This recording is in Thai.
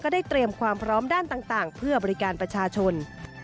ได้เตรียมความพร้อมด้านต่างเพื่อบริการประชาชน